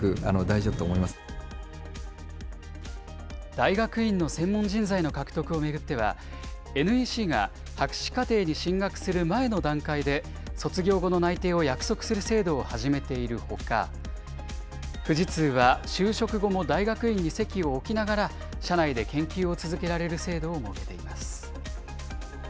大学院の専門人材の獲得を巡っては、ＮＥＣが博士課程に進学する前の段階で、卒業後の内定を約束する制度を始めているほか、富士通は就職後も大学院に籍を置きながら、社内で研究を続けられる制度を設けています。